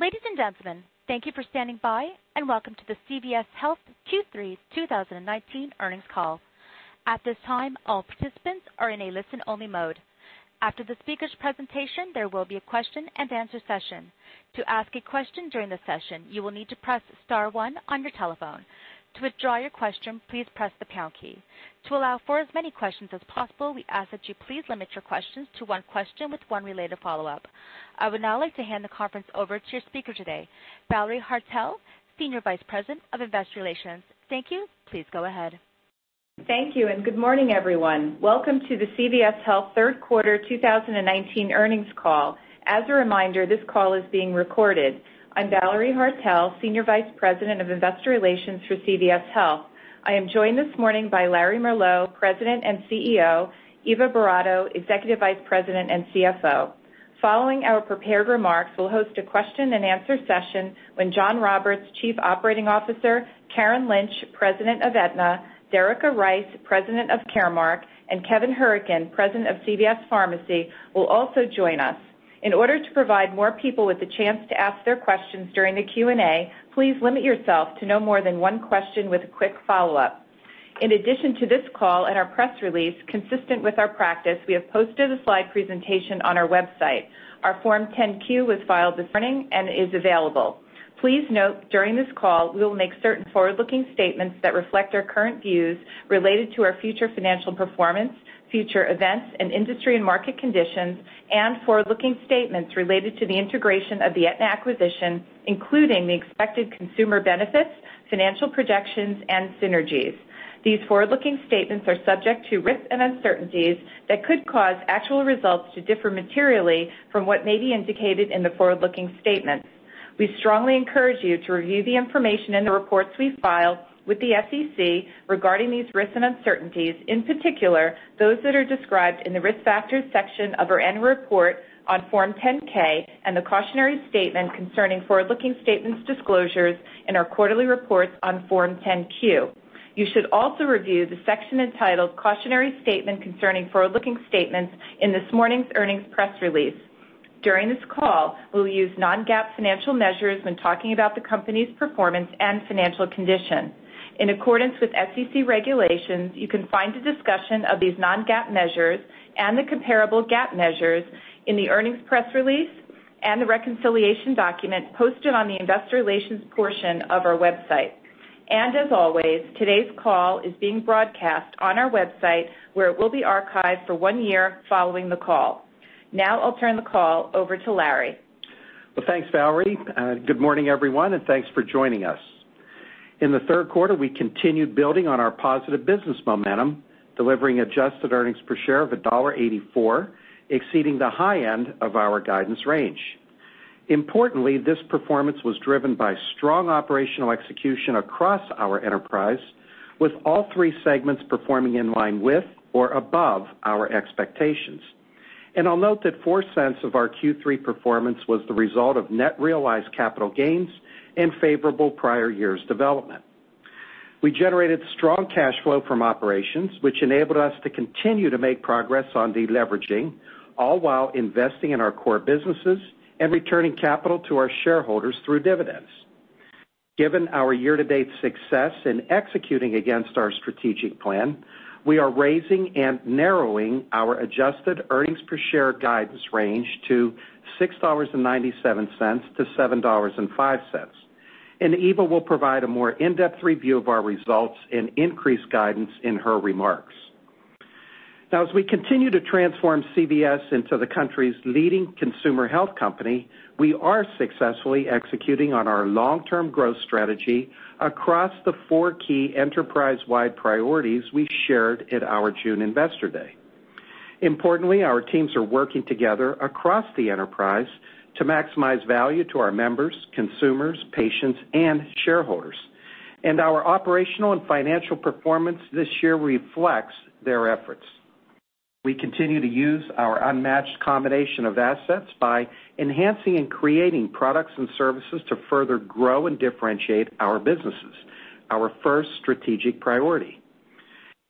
Ladies and gentlemen, thank you for standing by and welcome to the CVS Health Q3 2019 earnings call. At this time, all participants are in a listen-only mode. After the speakers' presentation, there will be a question and answer session. To ask a question during the session, you will need to press star one on your telephone. To withdraw your question, please press the pound key. To allow for as many questions as possible, we ask that you please limit your questions to one question with one related follow-up. I would now like to hand the conference over to your speaker today, Valerie Haertel, Senior Vice President of Investor Relations. Thank you. Please go ahead. Thank you. Good morning, everyone. Welcome to the CVS Health third quarter 2019 earnings call. As a reminder, this call is being recorded. I'm Valerie Haertel, Senior Vice President, Investor Relations for CVS Health. I am joined this morning by Larry Merlo, President and CEO, Eva Boratto, Executive Vice President and CFO. Following our prepared remarks, we'll host a question and answer session when Jon Roberts, Chief Operating Officer, Karen Lynch, President of Aetna, Derica Rice, President of Caremark, and Kevin Hourican, President of CVS Pharmacy, will also join us. In order to provide more people with the chance to ask their questions during the Q&A, please limit yourself to no more than one question with a quick follow-up. In addition to this call and our press release, consistent with our practice, we have posted a slide presentation on our website. Our Form 10-Q was filed this morning and is available. Please note during this call, we will make certain forward-looking statements that reflect our current views related to our future financial performance, future events, and industry and market conditions, and forward-looking statements related to the integration of the Aetna acquisition, including the expected consumer benefits, financial projections, and synergies. These forward-looking statements are subject to risks and uncertainties that could cause actual results to differ materially from what may be indicated in the forward-looking statements. We strongly encourage you to review the information in the reports we file with the SEC regarding these risks and uncertainties, in particular, those that are described in the Risk Factors section of our annual report on Form 10-K and the cautionary statement concerning forward-looking statements disclosures in our quarterly reports on Form 10-Q. You should also review the section entitled Cautionary Statement concerning Forward-Looking Statements in this morning's earnings press release. During this call, we'll use non-GAAP financial measures when talking about the company's performance and financial condition. In accordance with SEC regulations, you can find a discussion of these non-GAAP measures and the comparable GAAP measures in the earnings press release and the reconciliation document posted on the investor relations portion of our website. As always, today's call is being broadcast on our website, where it will be archived for one year following the call. Now I'll turn the call over to Larry. Well, thanks, Valerie. Good morning, everyone, and thanks for joining us. In the third quarter, we continued building on our positive business momentum, delivering adjusted earnings per share of $1.84, exceeding the high end of our guidance range. Importantly, this performance was driven by strong operational execution across our enterprise, with all three segments performing in line with or above our expectations. I'll note that $0.04 of our Q3 performance was the result of net realized capital gains and favorable prior year's development. We generated strong cash flow from operations, which enabled us to continue to make progress on deleveraging, all while investing in our core businesses and returning capital to our shareholders through dividends. Given our year-to-date success in executing against our strategic plan, we are raising and narrowing our adjusted earnings per share guidance range to $6.97-$7.05. Eva will provide a more in-depth review of our results and increase guidance in her remarks. Now, as we continue to transform CVS into the country's leading consumer health company, we are successfully executing on our long-term growth strategy across the four key enterprise-wide priorities we shared at our June Investor Day. Importantly, our teams are working together across the enterprise to maximize value to our members, consumers, patients, and shareholders, and our operational and financial performance this year reflects their efforts. We continue to use our unmatched combination of assets by enhancing and creating products and services to further grow and differentiate our businesses, our first strategic priority.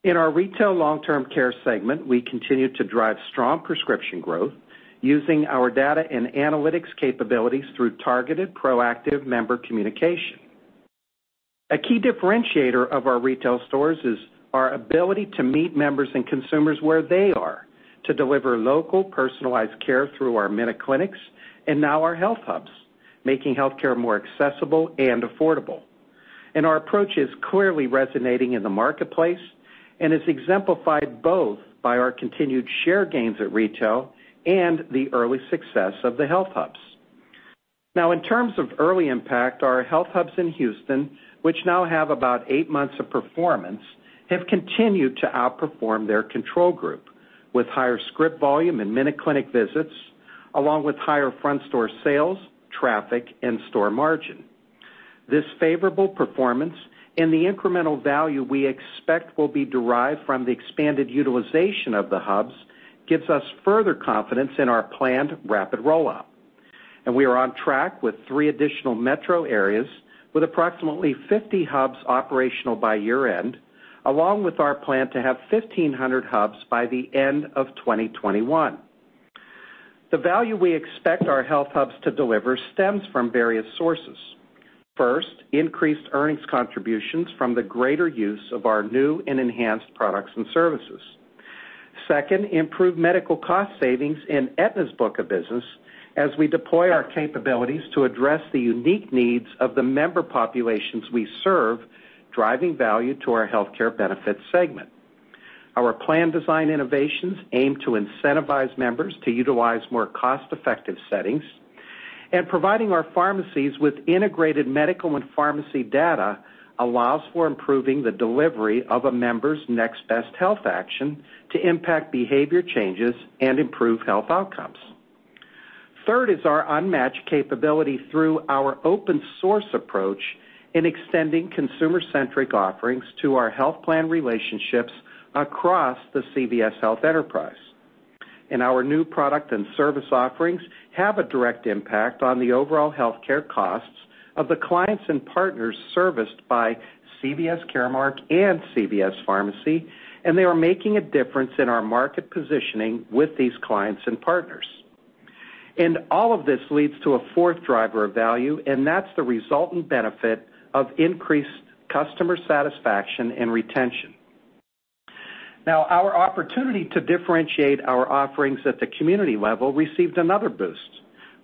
In our Retail Long-Term Care segment, we continue to drive strong prescription growth using our data and analytics capabilities through targeted, proactive member communication. A key differentiator of our retail stores is our ability to meet members and consumers where they are to deliver local, personalized care through our MinuteClinics and now our HealthHUBs, making healthcare more accessible and affordable. Our approach is clearly resonating in the marketplace and is exemplified both by our continued share gains at retail and the early success of the HealthHUBs. Now, in terms of early impact, our HealthHUBs in Houston, which now have about eight months of performance, have continued to outperform their control group, with higher script volume and MinuteClinic visits, along with higher front-store sales, traffic, and store margin. This favorable performance and the incremental value we expect will be derived from the expanded utilization of the HealthHUBs gives us further confidence in our planned rapid rollout. We are on track with three additional metro areas with approximately 50 HealthHUBs operational by year-end, along with our plan to have 1,500 HealthHUBs by the end of 2021. The value we expect our HealthHUBs to deliver stems from various sources. First, increased earnings contributions from the greater use of our new and enhanced products and services. Second, improved medical cost savings in Aetna's book of business as we deploy our capabilities to address the unique needs of the member populations we serve, driving value to our healthcare benefits segment. Our plan design innovations aim to incentivize members to utilize more cost-effective settings, and providing our pharmacies with integrated medical and pharmacy data allows for improving the delivery of a member's next best health action to impact behavior changes and improve health outcomes. Third is our unmatched capability through our open-source approach in extending consumer-centric offerings to our health plan relationships across the CVS Health enterprise. Our new product and service offerings have a direct impact on the overall healthcare costs of the clients and partners serviced by CVS Caremark and CVS Pharmacy, and they are making a difference in our market positioning with these clients and partners. All of this leads to a fourth driver of value, and that's the resultant benefit of increased customer satisfaction and retention. Now, our opportunity to differentiate our offerings at the community level received another boost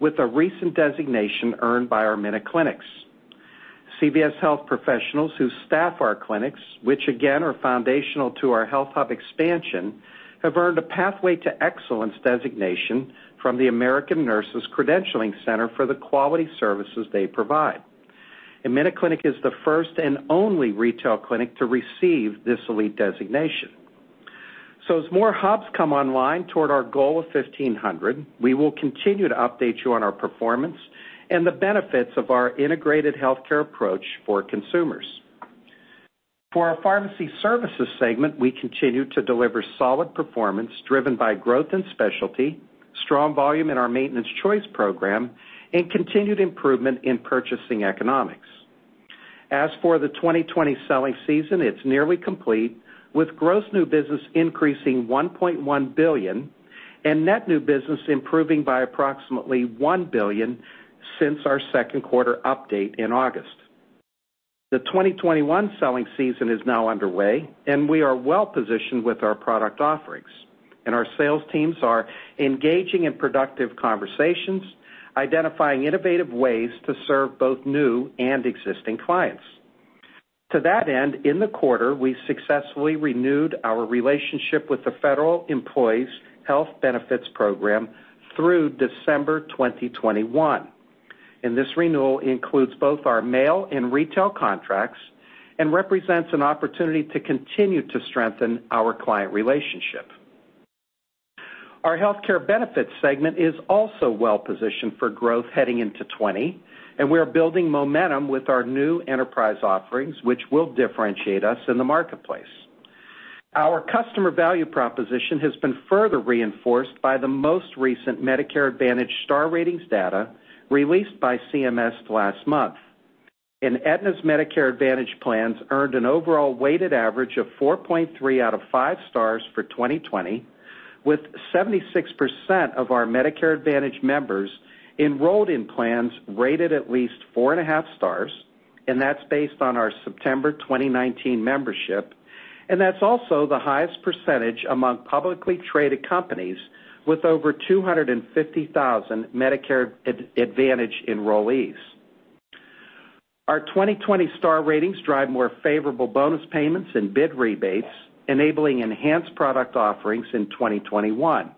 with the recent designation earned by our MinuteClinics. CVS Health professionals who staff our clinics, which again are foundational to our HealthHUB expansion, have earned a Pathway to Excellence designation from the American Nurses Credentialing Center for the quality services they provide. MinuteClinic is the first and only retail clinic to receive this elite designation. As more Hubs come online toward our goal of 1,500, we will continue to update you on our performance and the benefits of our integrated healthcare approach for consumers. For our Pharmacy Services Segment, we continue to deliver solid performance driven by growth in specialty, strong volume in our Maintenance Choice program, and continued improvement in purchasing economics. As for the 2020 selling season, it's nearly complete, with gross new business increasing $1.1 billion and net new business improving by approximately $1 billion since our second quarter update in August. The 2021 selling season is now underway, and we are well-positioned with our product offerings, and our sales teams are engaging in productive conversations, identifying innovative ways to serve both new and existing clients. To that end, in the quarter, we successfully renewed our relationship with the Federal Employees Health Benefits Program through December 2021. This renewal includes both our mail and retail contracts and represents an opportunity to continue to strengthen our client relationship. Our Healthcare Benefits segment is also well-positioned for growth heading into 2020. We are building momentum with our new enterprise offerings, which will differentiate us in the marketplace. Our customer value proposition has been further reinforced by the most recent Medicare Advantage star ratings data released by CMS last month. Aetna's Medicare Advantage plans earned an overall weighted average of 4.3 out of five stars for 2020, with 76% of our Medicare Advantage members enrolled in plans rated at least four and a half stars, and that's based on our September 2019 membership, and that's also the highest percentage among publicly traded companies with over 250,000 Medicare Advantage enrollees. Our 2020 star ratings drive more favorable bonus payments and bid rebates, enabling enhanced product offerings in 2021.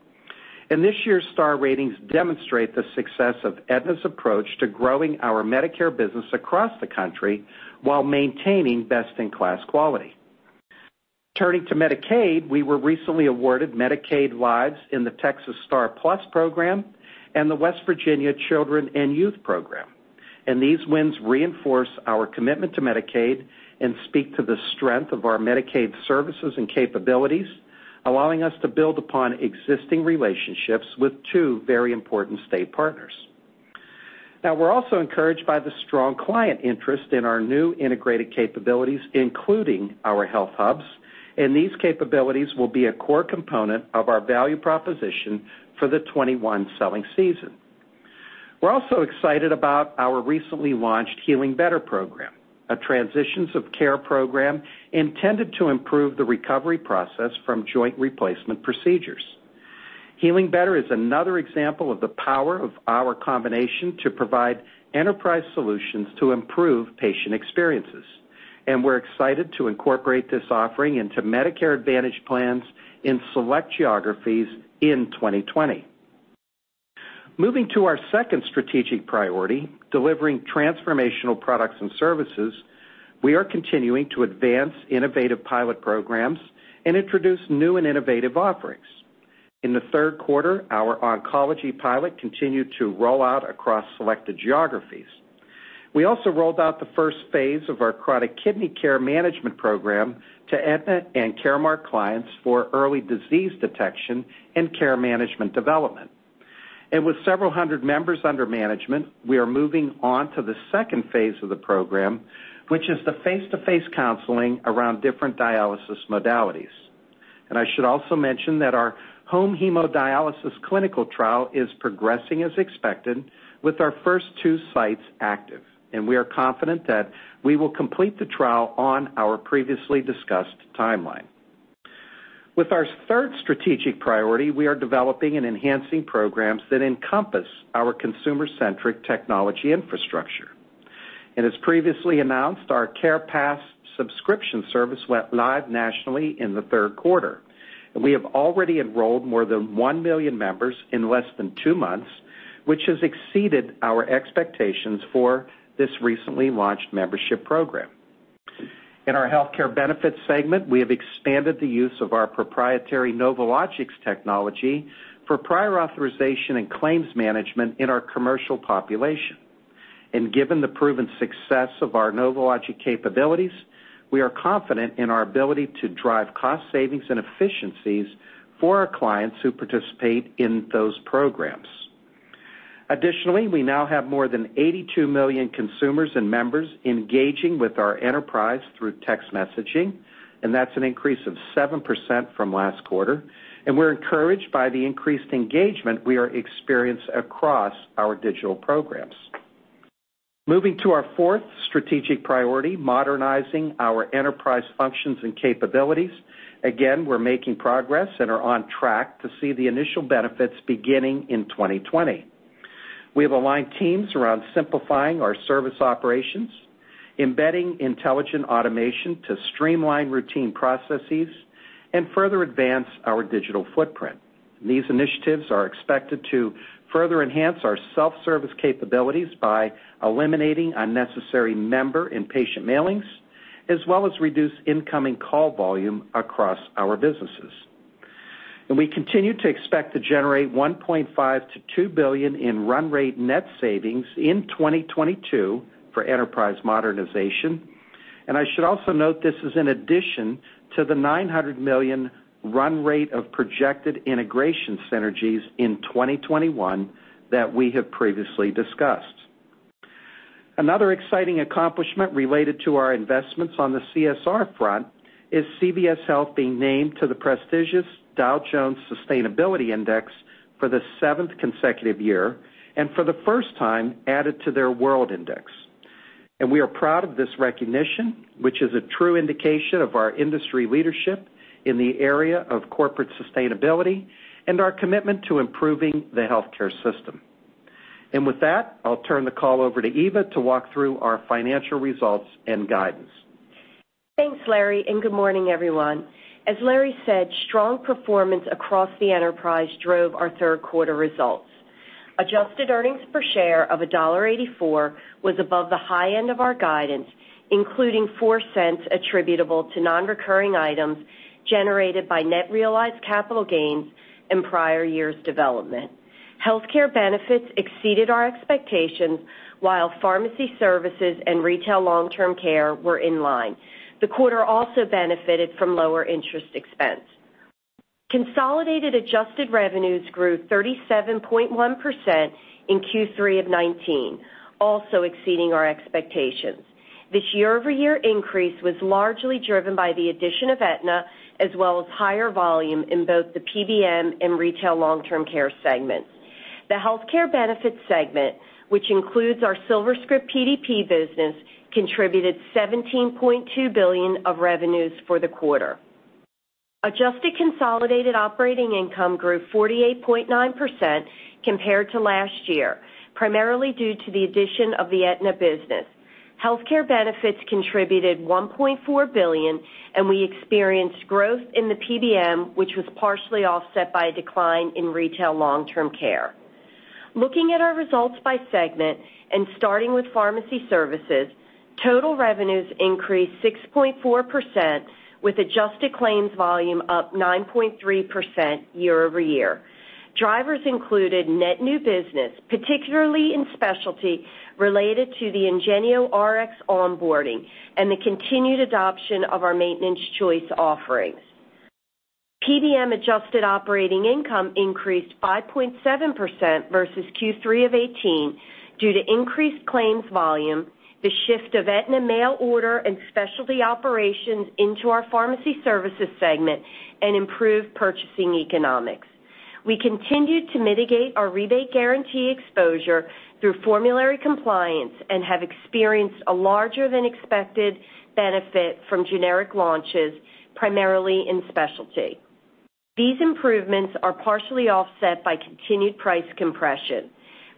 This year's star ratings demonstrate the success of Aetna's approach to growing our Medicare business across the country while maintaining best-in-class quality. Turning to Medicaid, we were recently awarded Medicaid lives in the Texas STAR+PLUS programs and the West Virginia Children and Youth program. These wins reinforce our commitment to Medicaid and speak to the strength of our Medicaid services and capabilities, allowing us to build upon existing relationships with two very important state partners. We're also encouraged by the strong client interest in our new integrated capabilities, including our HealthHUBs. These capabilities will be a core component of our value proposition for the 2021 selling season. We're also excited about our recently launched Healing Better program, a transitions of care program intended to improve the recovery process from joint replacement procedures. Healing Better is another example of the power of our combination to provide enterprise solutions to improve patient experiences. We're excited to incorporate this offering into Medicare Advantage plans in select geographies in 2020. Moving to our second strategic priority, delivering transformational products and services, we are continuing to advance innovative pilot programs and introduce new and innovative offerings. In the third quarter, our oncology pilot continued to roll out across selected geographies. We also rolled out the first phase of our chronic kidney care management program to Aetna and Caremark clients for early disease detection and care management development. With several hundred members under management, we are moving on to the second phase of the program, which is the face-to-face counseling around different dialysis modalities. I should also mention that our home hemodialysis clinical trial is progressing as expected with our first two sites active, and we are confident that we will complete the trial on our previously discussed timeline. With our third strategic priority, we are developing and enhancing programs that encompass our consumer-centric technology infrastructure. As previously announced, our CarePass subscription service went live nationally in the third quarter. We have already enrolled more than 1 million members in less than two months, which has exceeded our expectations for this recently launched membership program. In our healthcare benefits segment, we have expanded the use of our proprietary NovoLogix technology for prior authorization and claims management in our commercial population. Given the proven success of our NovoLogix capabilities, we are confident in our ability to drive cost savings and efficiencies for our clients who participate in those programs. Additionally, we now have more than 82 million consumers and members engaging with our enterprise through text messaging, That's an increase of 7% from last quarter. We're encouraged by the increased engagement we are experienced across our digital programs. Moving to our fourth strategic priority, modernizing our enterprise functions and capabilities. We're making progress and are on track to see the initial benefits beginning in 2020. We have aligned teams around simplifying our service operations, embedding intelligent automation to streamline routine processes, and further advance our digital footprint. These initiatives are expected to further enhance our self-service capabilities by eliminating unnecessary member and patient mailings, as well as reduce incoming call volume across our businesses. We continue to expect to generate $1.5 billion-$2 billion in run rate net savings in 2022 for enterprise modernization. I should also note, this is in addition to the $900 million run rate of projected integration synergies in 2021 that we have previously discussed. Another exciting accomplishment related to our investments on the CSR front is CVS Health being named to the prestigious Dow Jones Sustainability Index for the seventh consecutive year, and for the first time added to their world index. We are proud of this recognition, which is a true indication of our industry leadership in the area of corporate sustainability and our commitment to improving the healthcare system. With that, I'll turn the call over to Eva to walk through our financial results and guidance. Thanks, Larry, and good morning, everyone. As Larry said, strong performance across the enterprise drove our third quarter results. Adjusted earnings per share of $1.84 was above the high end of our guidance, including $0.04 attributable to non-recurring items generated by net realized capital gains and prior year's development. Healthcare benefits exceeded our expectations while pharmacy services and retail long-term-care were in line. The quarter also benefited from lower interest expense. Consolidated adjusted revenues grew 37.1% in Q3 of 2019, also exceeding our expectations. This year-over-year increase was largely driven by the addition of Aetna, as well as higher volume in both the PBM and retail long-term-care segments. The healthcare benefits segment, which includes our SilverScript PDP business, contributed $17.2 billion of revenues for the quarter. Adjusted consolidated operating income grew 48.9% compared to last year, primarily due to the addition of the Aetna business. Healthcare benefits contributed $1.4 billion. We experienced growth in the PBM, which was partially offset by a decline in retail long-term care. Looking at our results by segment and starting with pharmacy services, total revenues increased 6.4%, with adjusted claims volume up 9.3% year-over-year. Drivers included net new business, particularly in specialty, related to the IngenioRx onboarding and the continued adoption of our Maintenance Choice offerings. PBM adjusted operating income increased 5.7% versus Q3 of 2018 due to increased claims volume, the shift of Aetna mail order and specialty operations into our pharmacy services segment, and improved purchasing economics. We continued to mitigate our rebate guarantee exposure through formulary compliance and have experienced a larger than expected benefit from generic launches, primarily in specialty. These improvements are partially offset by continued price compression.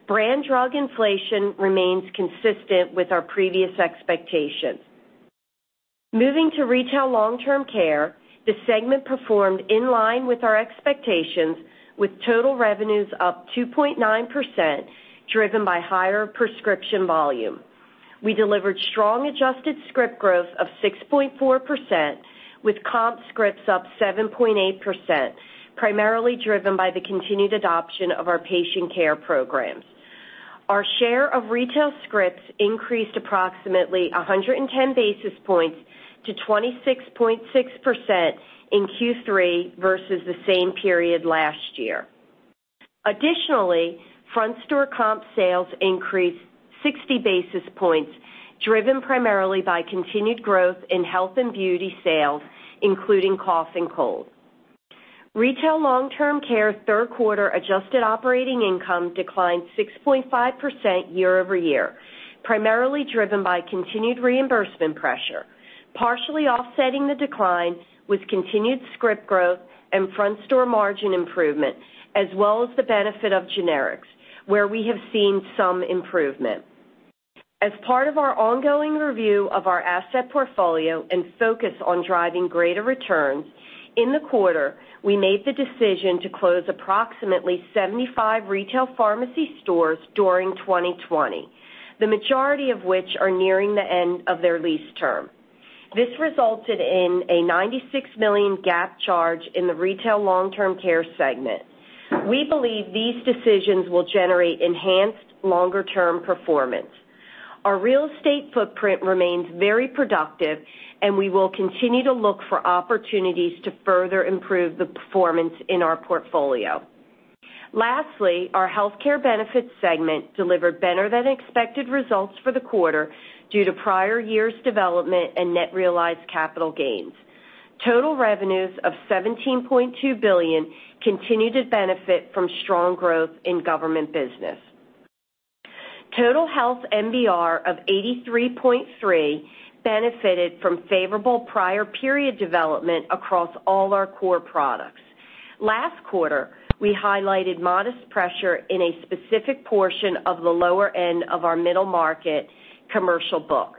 Brand drug inflation remains consistent with our previous expectations. Moving to retail long-term care, the segment performed in line with our expectations with total revenues up 2.9%, driven by higher prescription volume. We delivered strong adjusted script growth of 6.4%, with comp scripts up 7.8%, primarily driven by the continued adoption of our patient care programs. Our share of retail scripts increased approximately 110 basis points to 26.6% in Q3 versus the same period last year. Front-store comp sales increased 60 basis points, driven primarily by continued growth in health and beauty sales, including cough and cold. Retail long-term care third quarter adjusted operating income declined 6.5% year-over-year, primarily driven by continued reimbursement pressure, partially offsetting the decline with continued script growth and front store margin improvement, as well as the benefit of generics, where we have seen some improvement. As part of our ongoing review of our asset portfolio and focus on driving greater returns, in the quarter, we made the decision to close approximately 75 retail pharmacy stores during 2020, the majority of which are nearing the end of their lease term. This resulted in a $96 million GAAP charge in the Retail/LTC segment. We believe these decisions will generate enhanced longer-term performance. Our real estate footprint remains very productive, and we will continue to look for opportunities to further improve the performance in our portfolio. Our healthcare benefits segment delivered better than expected results for the quarter due to prior years development and net realized capital gains. Total revenues of $17.2 billion continued to benefit from strong growth in government business. Total health MLR of 83.3% benefited from favorable prior period development across all our core products. Last quarter, we highlighted modest pressure in a specific portion of the lower end of our middle market commercial book.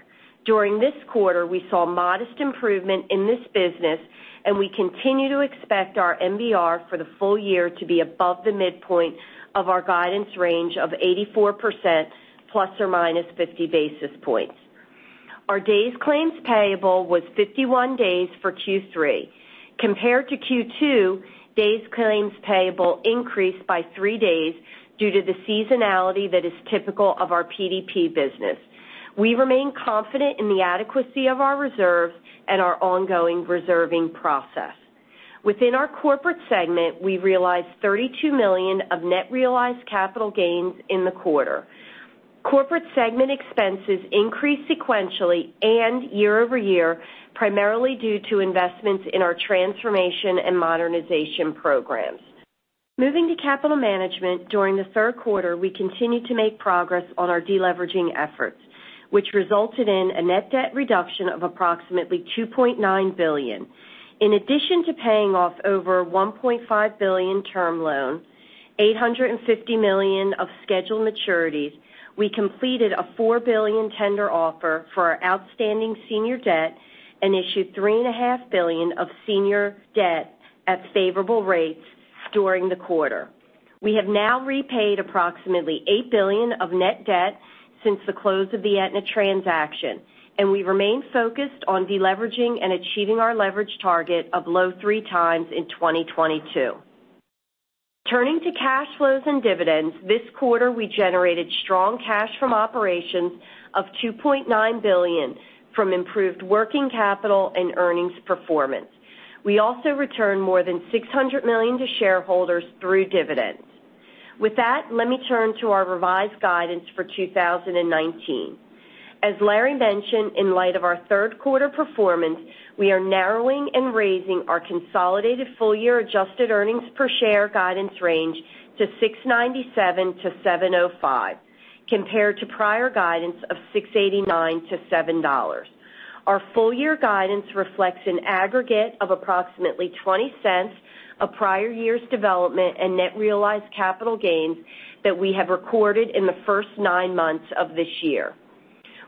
During this quarter, we saw modest improvement in this business, and we continue to expect our MBR for the full year to be above the midpoint of our guidance range of 84% ±50 basis points. Our days claims payable was 51 days for Q3. Compared to Q2, days claims payable increased by three days due to the seasonality that is typical of our PDP business. We remain confident in the adequacy of our reserves and our ongoing reserving process. Within our corporate segment, we realized $32 million of net realized capital gains in the quarter. Corporate segment expenses increased sequentially and year-over-year, primarily due to investments in our transformation and modernization programs. Moving to capital management, during the third quarter, we continued to make progress on our deleveraging efforts, which resulted in a net debt reduction of approximately $2.9 billion. In addition to paying off over $1.5 billion term loans, $850 million of scheduled maturities, we completed a $4 billion tender offer for our outstanding senior debt and issued $3.5 billion of senior debt at favorable rates during the quarter. We have now repaid approximately $8 billion of net debt since the close of the Aetna transaction. We remain focused on deleveraging and achieving our leverage target of low 3 times in 2022. Turning to cash flows and dividends, this quarter we generated strong cash from operations of $2.9 billion from improved working capital and earnings performance. We also returned more than $600 million to shareholders through dividends. With that, let me turn to our revised guidance for 2019. As Larry mentioned, in light of our third quarter performance, we are narrowing and raising our consolidated full year adjusted earnings per share guidance range to $6.97-$7.05, compared to prior guidance of $6.89-$7.00. Our full year guidance reflects an aggregate of approximately $0.20 of prior year's development and net realized capital gains that we have recorded in the first nine months of this year.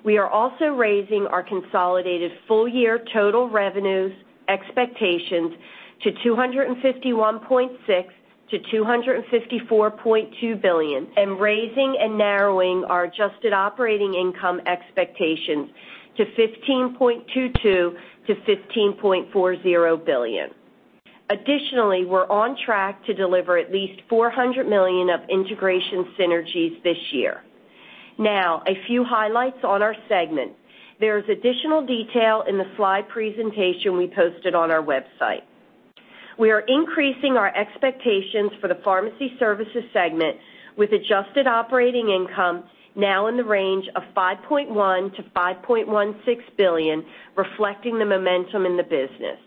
We are also raising our consolidated full year total revenues expectations to $251.6 billion-$254.2 billion and raising and narrowing our adjusted operating income expectations to $15.22 billion-$15.40 billion. Additionally, we're on track to deliver at least $400 million of integration synergies this year. Now, a few highlights on our segment. There's additional detail in the slide presentation we posted on our website. We are increasing our expectations for the pharmacy services segment with adjusted operating income now in the range of $5.1 billion-$5.16 billion, reflecting the momentum in the business.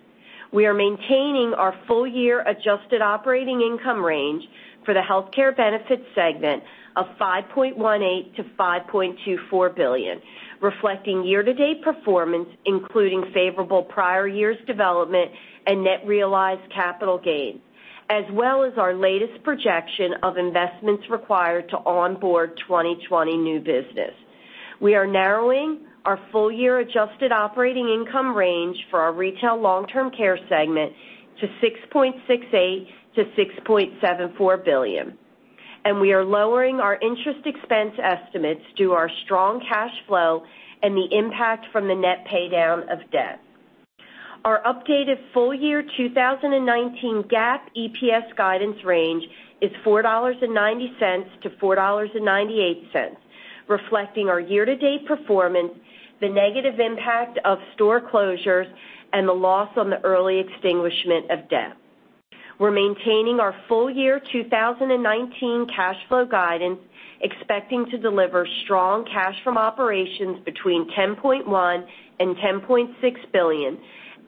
We are maintaining our full year adjusted operating income range for the healthcare benefits segment of $5.18 billion-$5.24 billion, reflecting year-to-date performance, including favorable prior year's development and net realized capital gain, as well as our latest projection of investments required to onboard 2020 new business. We are narrowing our full year adjusted operating income range for our retail long-term care segment to $6.68 billion-$6.74 billion, and we are lowering our interest expense estimates due our strong cash flow and the impact from the net paydown of debt. Our updated full year 2019 GAAP EPS guidance range is $4.90-$4.98, reflecting our year-to-date performance, the negative impact of store closures, and the loss on the early extinguishment of debt. We're maintaining our full year 2019 cash flow guidance, expecting to deliver strong cash from operations between $10.1 billion and $10.6 billion,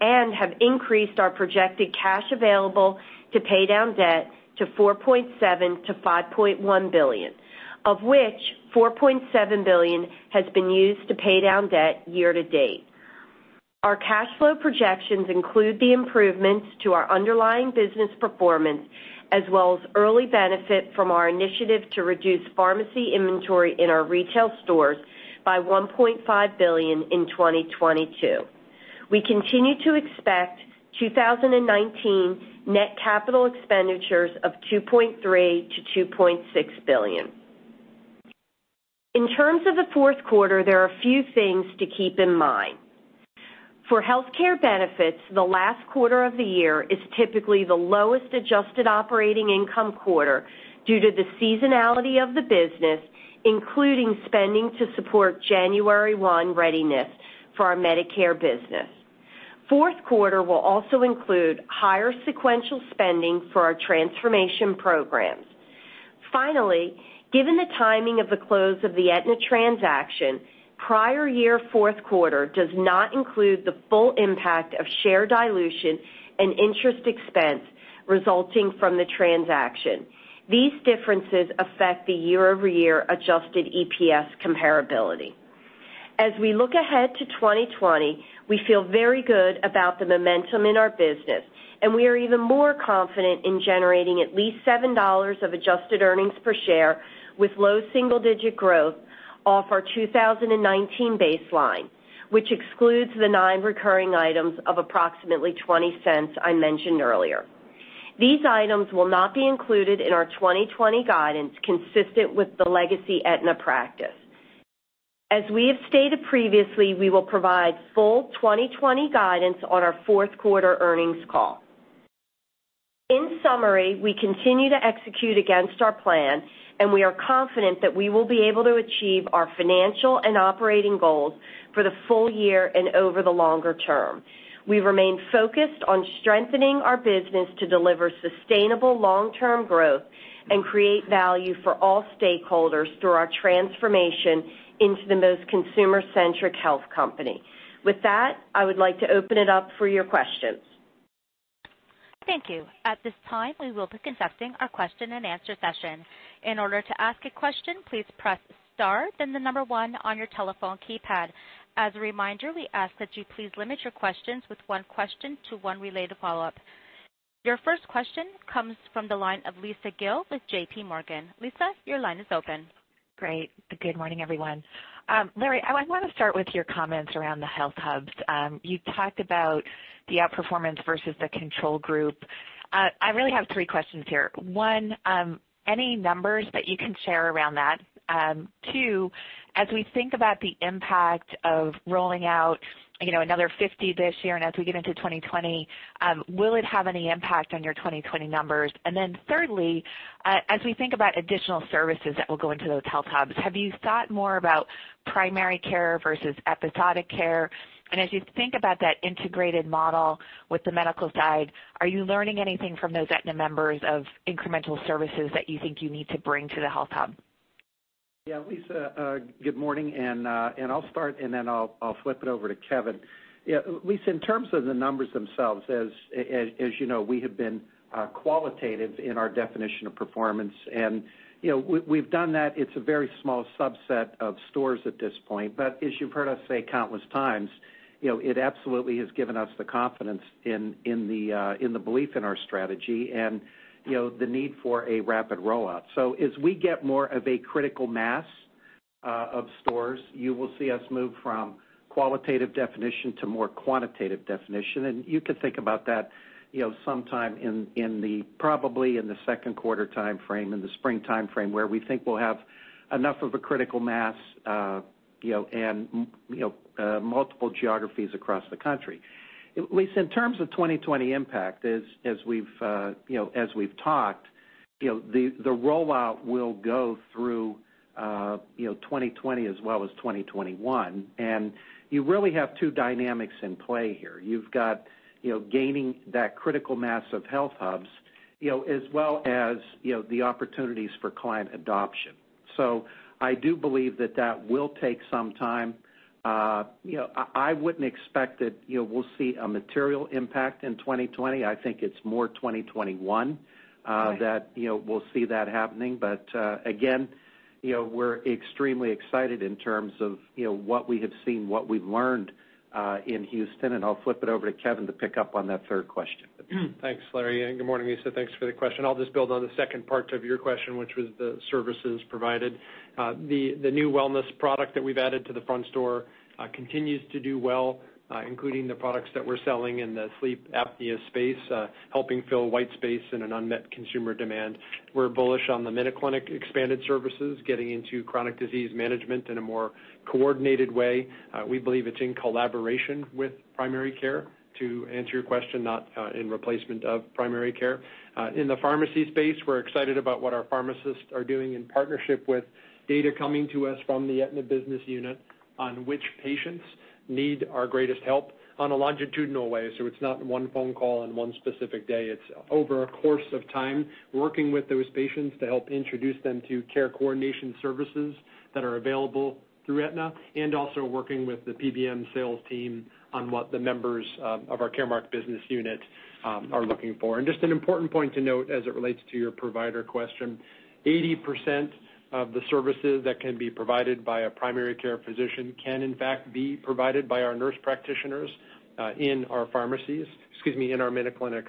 and have increased our projected cash available to pay down debt to $4.7 billion-$5.1 billion, of which $4.7 billion has been used to pay down debt year-to-date. Our cash flow projections include the improvements to our underlying business performance, as well as early benefit from our initiative to reduce pharmacy inventory in our retail stores by $1.5 billion in 2022. We continue to expect 2019 net capital expenditures of $2.3 billion-$2.6 billion. In terms of the fourth quarter, there are a few things to keep in mind. For healthcare benefits, the last quarter of the year is typically the lowest adjusted operating income quarter due to the seasonality of the business, including spending to support January 1 readiness for our Medicare business. Fourth quarter will also include higher sequential spending for our transformation programs. Finally, given the timing of the close of the Aetna transaction, prior year fourth quarter does not include the full impact of share dilution and interest expense resulting from the transaction. These differences affect the year-over-year adjusted EPS comparability. As we look ahead to 2020, we feel very good about the momentum in our business. We are even more confident in generating at least $7 of adjusted earnings per share with low single-digit growth off our 2019 baseline, which excludes the non-recurring items of approximately $0.20 I mentioned earlier. These items will not be included in our 2020 guidance consistent with the legacy Aetna practice. As we have stated previously, we will provide full 2020 guidance on our fourth quarter earnings call. In summary, we continue to execute against our plan. We are confident that we will be able to achieve our financial and operating goals for the full year and over the longer term. We remain focused on strengthening our business to deliver sustainable long-term growth and create value for all stakeholders through our transformation into the most consumer-centric health company. With that, I would like to open it up for your questions. Thank you. At this time, we will be conducting our question and answer session. In order to ask a question, please press star then the number 1 on your telephone keypad. As a reminder, we ask that you please limit your questions with one question to one related follow-up. Your first question comes from the line of Lisa Gill with JPMorgan. Lisa, your line is open. Great. Good morning, everyone. Larry, I want to start with your comments around the HealthHUBs. You talked about the outperformance versus the control group. I really have three questions here. One, any numbers that you can share around that? Two, as we think about the impact of rolling out another 50 this year and as we get into 2020, will it have any impact on your 2020 numbers? Thirdly, as we think about additional services that will go into those HealthHUBs, have you thought more about primary care versus episodic care? As you think about that integrated model with the medical side, are you learning anything from those Aetna members of incremental services that you think you need to bring to the HealthHUB? Yeah, Lisa, good morning. I'll start, and then I'll flip it over to Kevin. Lisa, in terms of the numbers themselves, as you know, we have been qualitative in our definition of performance. We've done that, it's a very small subset of stores at this point. As you've heard us say countless times, it absolutely has given us the confidence in the belief in our strategy and the need for a rapid rollout. As we get more of a critical mass of stores, you will see us move from qualitative definition to more quantitative definition. You could think about that sometime probably in the second quarter timeframe, in the spring timeframe, where we think we'll have enough of a critical mass and multiple geographies across the country. Lisa, in terms of 2020 impact, as we've talked, the rollout will go through 2020 as well as 2021. You really have two dynamics in play here. You've got gaining that critical mass of HealthHUBs, as well as the opportunities for client adoption. I do believe that that will take some time. I wouldn't expect that we'll see a material impact in 2020. I think it's more 2021 that we'll see that happening. Again, we're extremely excited in terms of what we have seen, what we've learned in Houston, and I'll flip it over to Kevin to pick up on that third question. Thanks, Larry. Good morning, Lisa. Thanks for the question. I'll just build on the second part of your question, which was the services provided. The new wellness product that we've added to the front store continues to do well, including the products that we're selling in the sleep apnea space, helping fill white space in an unmet consumer demand. We're bullish on the MinuteClinic expanded services, getting into chronic disease management in a more coordinated way. We believe it's in collaboration with primary care, to answer your question, not in replacement of primary care. In the pharmacy space, we're excited about what our pharmacists are doing in partnership with data coming to us from the Aetna business unit on which patients need our greatest help on a longitudinal way. It's not one phone call on one specific day. It's over a course of time, working with those patients to help introduce them to care coordination services that are available through Aetna, and also working with the PBM sales team on what the members of our Caremark business unit are looking for. Just an important point to note as it relates to your provider question, 80% of the services that can be provided by a primary care physician can in fact be provided by our nurse practitioners in our pharmacies, excuse me, in our MinuteClinics.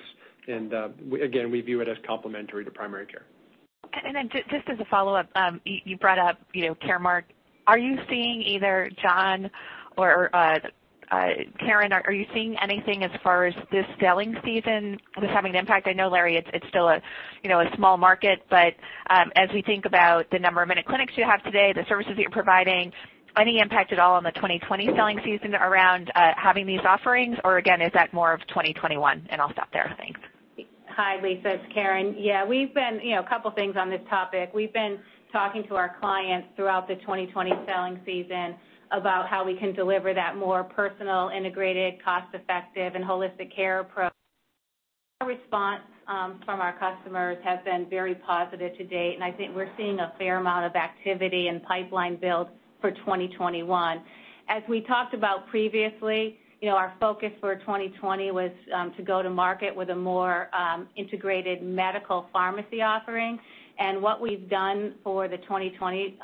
Again, we view it as complementary to primary care. Then just as a follow-up, you brought up Caremark. Are you seeing either Jon or Karen, are you seeing anything as far as this selling season was having an impact? I know, Larry, it's still a small market. But as we think about the number of MinuteClinics you have today, the services that you're providing, any impact at all on the 2020 selling season around having these offerings, or again, is that more of 2021? And I'll stop there. Thanks. Hi, Lisa, it's Karen. Yeah, a couple things on this topic. We've been talking to our clients throughout the 2020 selling season about how we can deliver that more personal, integrated, cost-effective, and holistic care approach. The response from our customers has been very positive to date, and I think we're seeing a fair amount of activity and pipeline build for 2021. As we talked about previously, our focus for 2020 was to go to market with a more integrated medical pharmacy offering. What we've done for the 2020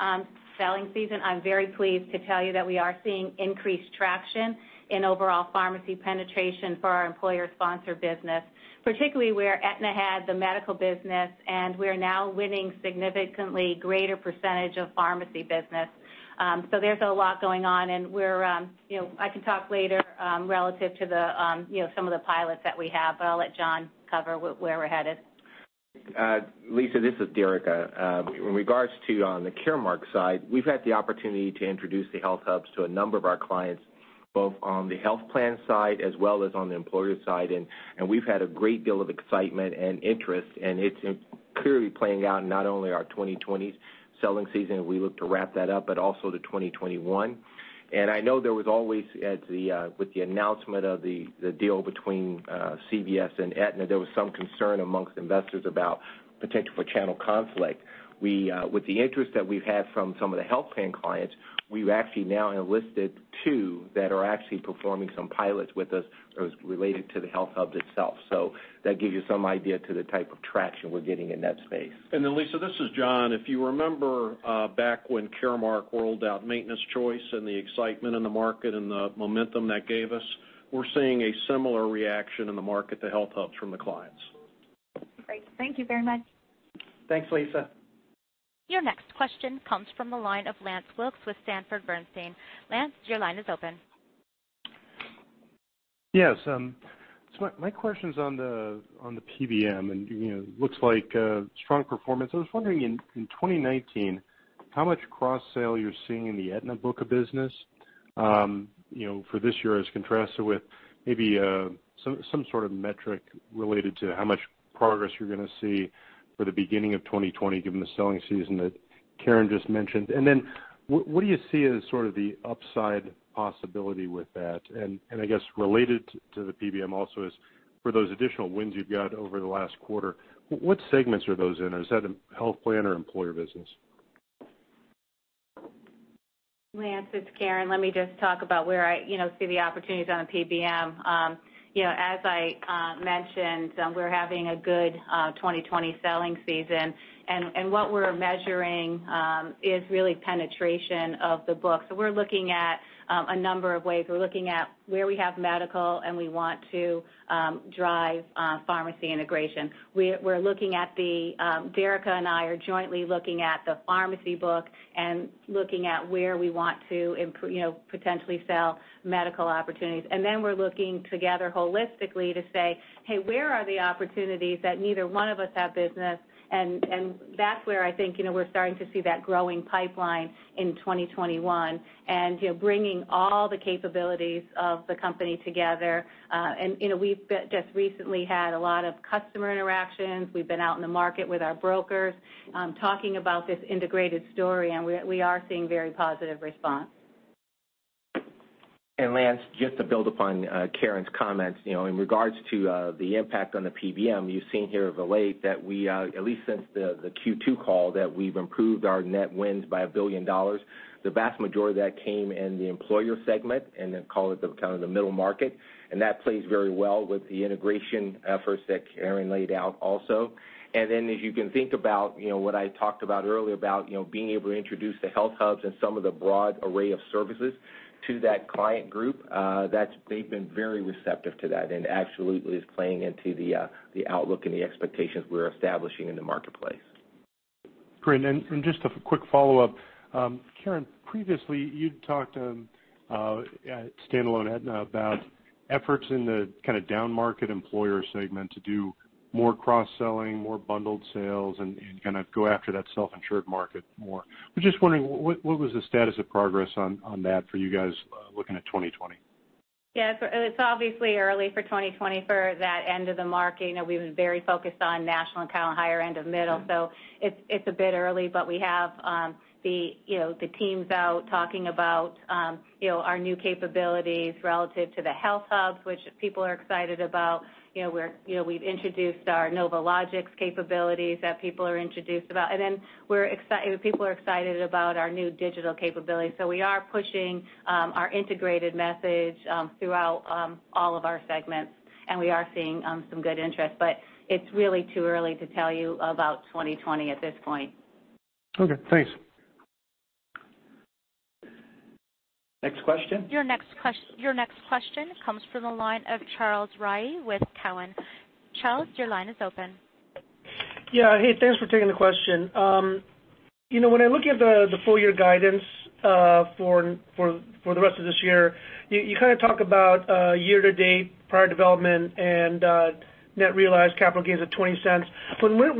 selling season, I'm very pleased to tell you that we are seeing increased traction in overall pharmacy penetration for our employer sponsor business, particularly where Aetna had the medical business, and we're now winning significantly greater percentage of pharmacy business. There's a lot going on, and I can talk later relative to some of the pilots that we have, but I'll let Jon cover where we're headed. Lisa, this is Derica. In regards to on the Caremark side, we've had the opportunity to introduce the HealthHUBs to a number of our clients, both on the health plan side as well as on the employer side, and we've had a great deal of excitement and interest, and it's clearly playing out in not only our 2020 selling season, and we look to wrap that up, but also to 2021. I know there was always with the announcement of the deal between CVS and Aetna, there was some concern amongst investors about potential for channel conflict. With the interest that we've had from some of the health plan clients, we've actually now enlisted two that are actually performing some pilots with us related to the HealthHUBs itself. That gives you some idea to the type of traction we're getting in that space. Lisa, this is Jon. If you remember back when Caremark rolled out Maintenance Choice and the excitement in the market and the momentum that gave us, we're seeing a similar reaction in the market to HealthHUBs from the clients. Great. Thank you very much. Thanks, Lisa. Your next question comes from the line of Lance Wilkes with Sanford Bernstein. Lance, your line is open. Yes. My question's on the PBM, and looks like a strong performance. I was wondering in 2019, how much cross-sale you're seeing in the Aetna book of business for this year as contrasted with maybe some sort of metric related to how much progress you're going to see for the beginning of 2020 given the selling season that Karen just mentioned. What do you see as sort of the upside possibility with that? I guess related to the PBM also is for those additional wins you've got over the last quarter, what segments are those in? Is that a health plan or employer business? Lance, it's Karen. Let me just talk about where I see the opportunities on the PBM. As I mentioned, we're having a good 2020 selling season, and what we're measuring is really penetration of the book. We're looking at a number of ways. We're looking at where we have medical, and we want to drive pharmacy integration. Derica and I are jointly looking at the pharmacy book and looking at where we want to potentially sell medical opportunities. Then we're looking together holistically to say, "Hey, where are the opportunities that neither one of us have business?" That's where I think we're starting to see that growing pipeline in 2021 and bringing all the capabilities of the company together. We've just recently had a lot of customer interactions. We've been out in the market with our brokers, talking about this integrated story, and we are seeing very positive response. Lance, just to build upon Karen's comments, in regards to the impact on the PBM, you've seen here of late that we at least since the Q2 call, that we've improved our net wins by $1 billion. The vast majority of that came in the employer segment and then call it the kind of the middle market, and that plays very well with the integration efforts that Karen laid out also. Then as you can think about what I talked about earlier, about being able to introduce the HealthHUBs and some of the broad array of services to that client group, they've been very receptive to that and absolutely is playing into the outlook and the expectations we're establishing in the marketplace. Great. Just a quick follow-up. Karen, previously you'd talked at standalone Aetna about efforts in the kind of downmarket employer segment to do more cross-selling, more bundled sales, and kind of go after that self-insured market more. I'm just wondering, what was the status of progress on that for you guys looking at 2020? It's obviously early for 2020 for that end of the market. We've been very focused on national account, higher end of middle. It's a bit early, but we have the teams out talking about our new capabilities relative to the HealthHUBs, which people are excited about. We've introduced our NovoLogix capabilities that people are introduced about. People are excited about our new digital capabilities. We are pushing our integrated message throughout all of our segments, and we are seeing some good interest, but it's really too early to tell you about 2020 at this point. Okay, thanks. Next question. Your next question comes from the line of Charles Rhyee with Cowen. Charles, your line is open. Yeah. Hey, thanks for taking the question. When I look at the full year guidance, for the rest of this year, you talk about year-to-date, prior development and net realized capital gains of $0.20.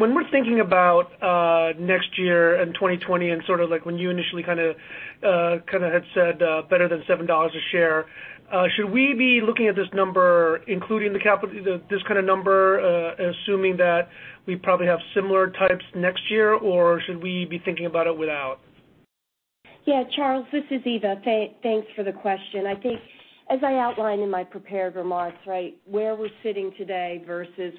When we're thinking about next year and 2020 and sort of like when you initially had said better than $7 a share, should we be looking at this number, including the capital, this kind of number, assuming that we probably have similar types next year, or should we be thinking about it without? Yeah. Charles, this is Eva. Thanks for the question. I think as I outlined in my prepared remarks, right, where we're sitting today versus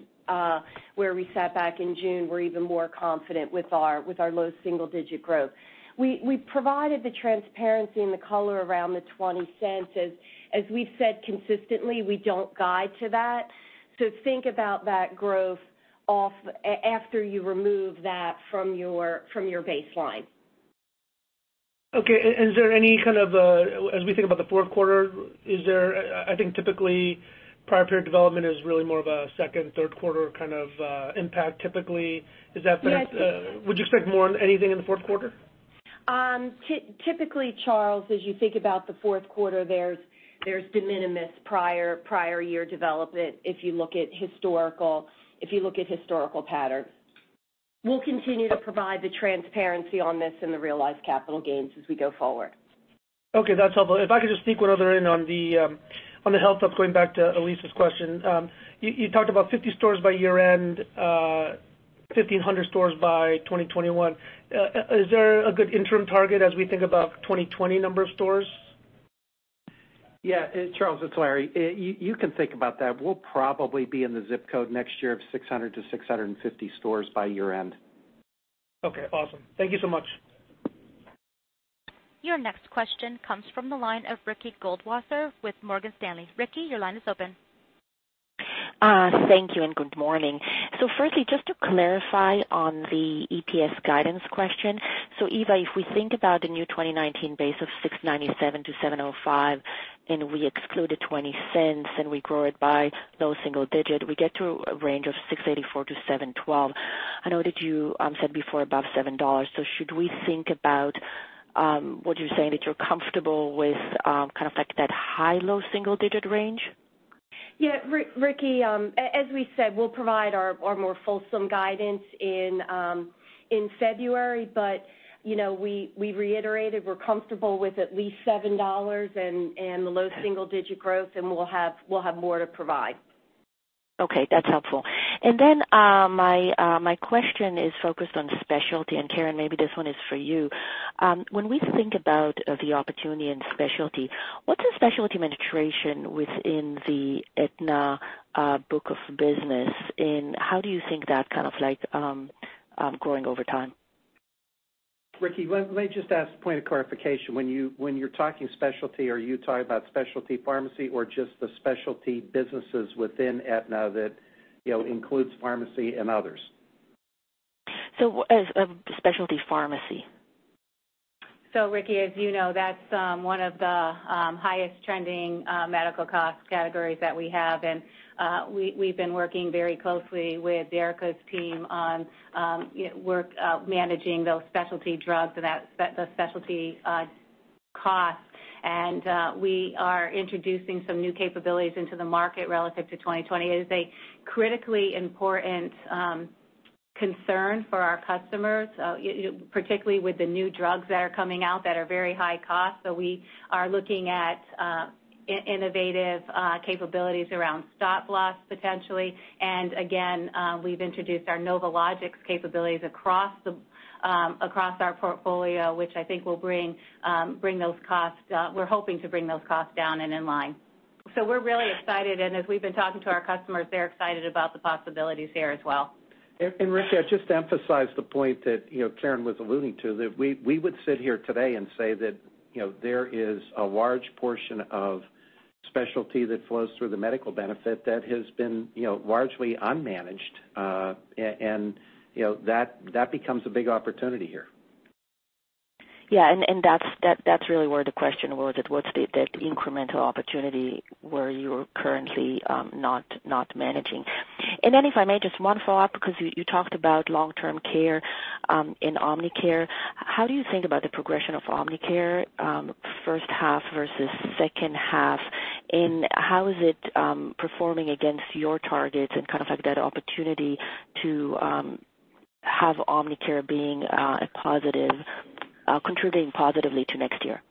where we sat back in June, we're even more confident with our low single-digit growth. We provided the transparency and the color around the $0.20. As we've said consistently, we don't guide to that. Think about that growth after you remove that from your baseline. Okay. As we think about the fourth quarter, I think typically prior period development is really more of a second, third quarter kind of impact typically. Yes. Would you expect more on anything in the fourth quarter? Typically, Charles, as you think about the fourth quarter, there's de minimis prior year development if you look at historical patterns. We'll continue to provide the transparency on this and the realized capital gains as we go forward. Okay, that's helpful. If I could just sneak one other in on the HealthHUB, going back to Lisa's question. You talked about 50 stores by year-end, 1,500 stores by 2021. Is there a good interim target as we think about 2020 number of stores? Yeah, Charles, it's Larry. You can think about that. We'll probably be in the ZIP code next year of 600-650 stores by year-end. Okay, awesome. Thank you so much. Your next question comes from the line of Ricky Goldwasser with Morgan Stanley. Ricky, your line is open. Thank you. Good morning. Firstly, just to clarify on the EPS guidance question. Eva, if we think about the new 2019 base of $6.97-$7.05, and we exclude the $0.20, and we grow it by low single digit, we get to a range of $6.84-$7.12. I know that you said before above $7. Should we think about, would you say that you're comfortable with kind of like that high low single-digit range? Ricky, as we said, we'll provide our more fulsome guidance in February, but we reiterated we're comfortable with at least $7 and the low single-digit growth, and we'll have more to provide. Okay, that's helpful. My question is focused on specialty, and Karen, maybe this one is for you. When we think about the opportunity in specialty, what's the specialty penetration within the Aetna book of business, and how do you think that kind of like growing over time? Ricky, let me just ask a point of clarification. When you're talking specialty, are you talking about specialty pharmacy or just the specialty businesses within Aetna that includes pharmacy and others? As a specialty pharmacy. Ricky, as you know, that's one of the highest trending medical cost categories that we have, and we've been working very closely with Derica's team on managing those specialty drugs and the specialty cost. We are introducing some new capabilities into the market relative to 2020. It is a critically important concern for our customers, particularly with the new drugs that are coming out that are very high cost. We are looking at innovative capabilities around stop loss, potentially. Again, we've introduced our NovoLogix capabilities across our portfolio, which I think we're hoping to bring those costs down and in line. We're really excited, and as we've been talking to our customers, they're excited about the possibilities there as well. Ricky, I'd just emphasize the point that Karen was alluding to. That we would sit here today and say that there is a large portion of specialty that flows through the medical benefit that has been largely unmanaged, and that becomes a big opportunity here. That's really where the question was, what's the incremental opportunity where you're currently not managing. If I may, just one follow-up, because you talked about long-term care in Omnicare. How do you think about the progression of Omnicare, first half versus second half, and how is it performing against your targets and kind of like that opportunity to have Omnicare contributing positively to next year?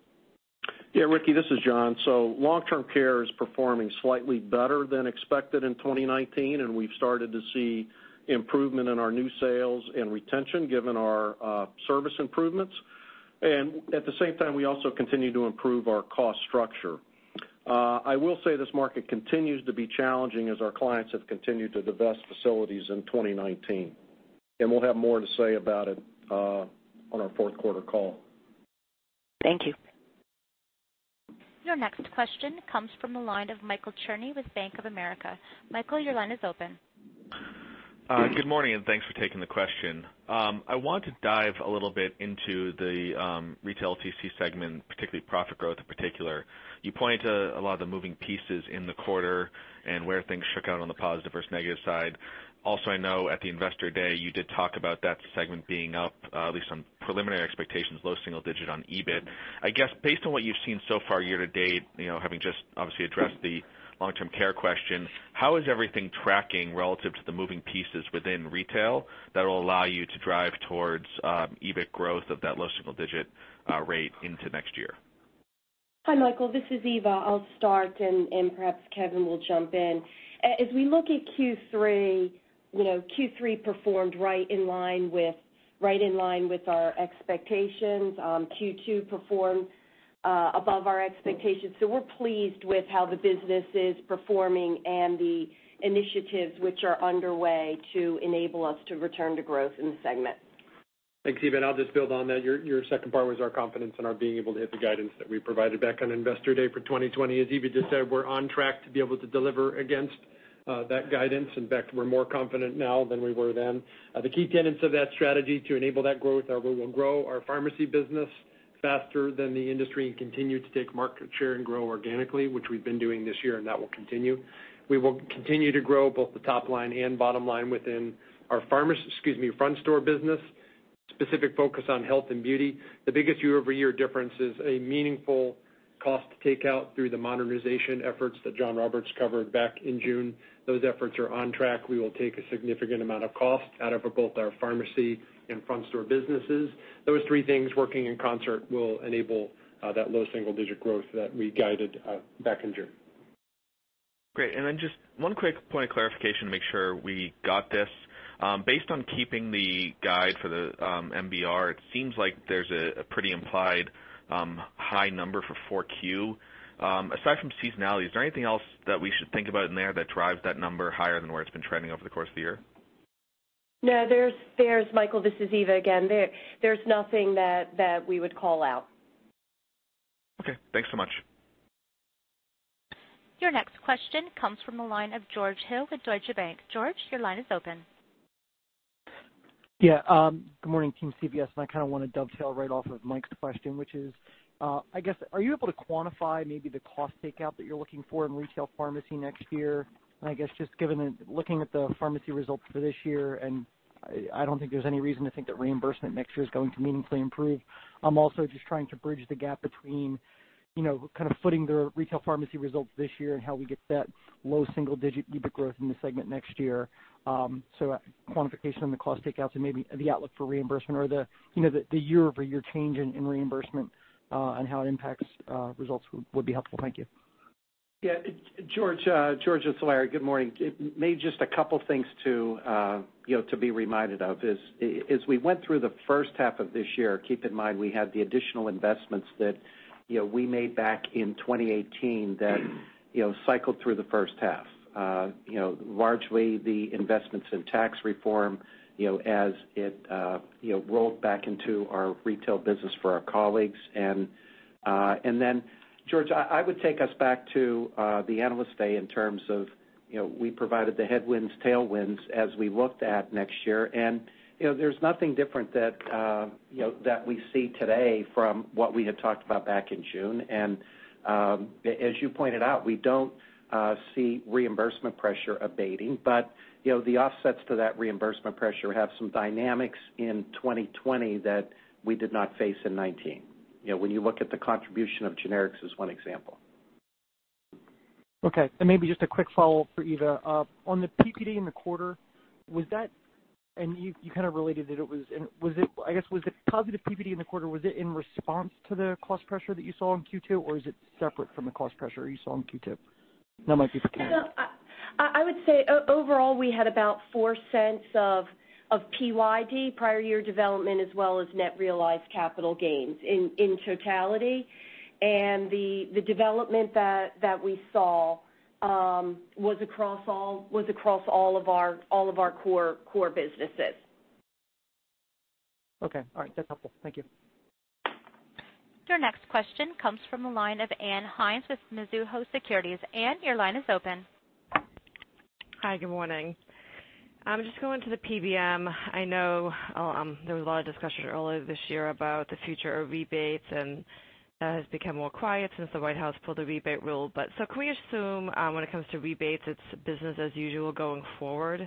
Yeah, Ricky, this is Jon. Long-term care is performing slightly better than expected in 2019, and we've started to see improvement in our new sales and retention given our service improvements. At the same time, we also continue to improve our cost structure. I will say this market continues to be challenging as our clients have continued to divest facilities in 2019. We'll have more to say about it on our fourth quarter call. Thank you. Your next question comes from the line of Michael Cherny with Bank of America. Michael, your line is open. Good morning, and thanks for taking the question. I want to dive a little bit into the Retail/LTC segment, particularly profit growth in particular. You pointed to a lot of the moving pieces in the quarter and where things shook out on the positive versus negative side. I know at the Investor Day, you did talk about that segment being up, at least on preliminary expectations, low single-digit on EBIT. I guess based on what you've seen so far year-to-date, having just obviously addressed the long-term care question, how is everything tracking relative to the moving pieces within retail that will allow you to drive towards EBIT growth of that low single-digit rate into next year? Hi, Michael. This is Eva. I'll start, and perhaps Kevin will jump in. As we look at Q3 performed right in line with our expectations. Q2 performed above our expectations. We're pleased with how the business is performing and the initiatives which are underway to enable us to return to growth in the segment. Thanks, Eva, and I'll just build on that. Your second part was our confidence in our being able to hit the guidance that we provided back on Investor Day for 2020. As Eva just said, we're on track to be able to deliver against that guidance. In fact, we're more confident now than we were then. The key tenets of that strategy to enable that growth are we will grow our pharmacy business faster than the industry and continue to take market share and grow organically, which we've been doing this year, and that will continue. We will continue to grow both the top line and bottom line within our front store business, specific focus on health and beauty. The biggest year-over-year difference is a meaningful cost takeout through the modernization efforts that Jonathan Roberts covered back in June. Those efforts are on track. We will take a significant amount of cost out of both our pharmacy and front store businesses. Those three things working in concert will enable that low single-digit growth that we guided back in June. Great. Just one quick point of clarification to make sure we got this. Based on keeping the guide for the MBR, it seems like there's a pretty implied high number for 4Q. Aside from seasonality, is there anything else that we should think about in there that drives that number higher than where it's been trending over the course of the year? No, Michael, this is Eva again. There's nothing that we would call out. Okay, thanks so much. Your next question comes from the line of George Hill with Deutsche Bank. George, your line is open. Good morning, Team CVS. I kind of want to dovetail right off of Mike's question, which is, I guess, are you able to quantify maybe the cost takeout that you're looking for in retail pharmacy next year? I guess just looking at the pharmacy results for this year, and I don't think there's any reason to think that reimbursement next year is going to meaningfully improve. I'm also just trying to bridge the gap between kind of footing the retail pharmacy results this year and how we get that low single-digit EBIT growth in the segment next year. Quantification on the cost takeout to maybe the outlook for reimbursement or the year-over-year change in reimbursement, and how it impacts results would be helpful. Thank you. Yeah, George, it's Larry. Good morning. Maybe just a couple things to be reminded of is, as we went through the first half of this year, keep in mind we had the additional investments that we made back in 2018 that cycled through the first half. Largely the investments in tax reform, as it rolled back into our retail business for our colleagues. George, I would take us back to the Analyst Day in terms of we provided the headwinds, tailwinds as we looked at next year. There's nothing different that we see today from what we had talked about back in June. As you pointed out, we don't see reimbursement pressure abating, but the offsets to that reimbursement pressure have some dynamics in 2020 that we did not face in 2019. When you look at the contribution of generics as one example. Okay. Maybe just a quick follow-up for Eva. On the PPD in the quarter, and you kind of related that it was, I guess, was the positive PPD in the quarter, was it in response to the cost pressure that you saw in Q2? Or is it separate from the cost pressure you saw in Q2? That might be for Kevin. I would say, overall, we had about $0.04 of PYD, prior year development, as well as net realized capital gains in totality. The development that we saw was across all of our core businesses. Okay. All right. That's helpful. Thank you. Your next question comes from the line of Ann Hynes with Mizuho Securities. Ann, your line is open. Hi, good morning. I'm just going to the PBM. I know there was a lot of discussion earlier this year about the future of rebates, and that has become more quiet since the White House pulled the rebate rule. Can we assume when it comes to rebates, it's business as usual going forward?